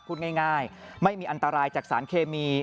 พูดง่ายไม่มีอันตรายจากสารเคมี